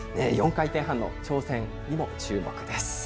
４回転半の挑戦にも注目です。